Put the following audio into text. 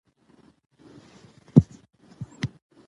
او زما شکر له خپل زړه سره پیوند دی